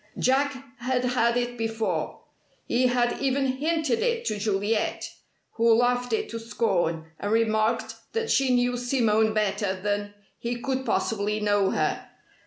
Jack had had it before. He had even hinted it to Juliet, who laughed it to scorn, and remarked that she knew Simone better than he could possibly know her.